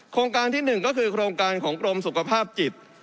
โครงการที่๑ก็คือโครงการของกรมสุขภาพจิต